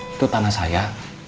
itu tanah saya